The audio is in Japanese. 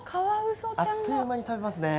あっという間に食べますね。